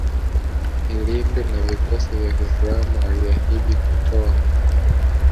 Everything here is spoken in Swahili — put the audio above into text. ilindwe na vikosi vya kiislam Aliahidi kutoa